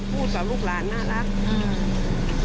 พูดจาน่ารักคุณลุงก็ใจดี